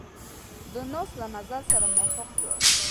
دونډاس له نظر سره موافق وو.